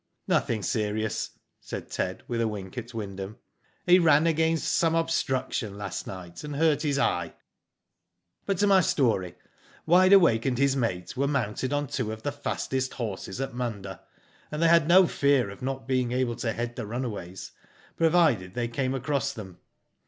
"Nothing serious," said Ted, with a wink at Wyndham. " He ran against some obstruction last night and hurt his eye. *'But to my story. Wide Awake and his mate were mounted on two of the fastest horses at Munda, and they had no fear of not being able to head the runaways provided they camfc across them.